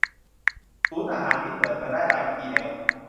ศูนย์อาหารนี้เปิดมาได้หลายปีแล้ว